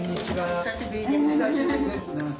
お久しぶりです。